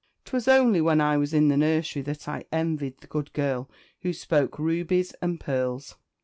'Twas only when I was in the nursery that I envied the good girl who spoke rubies and pearls.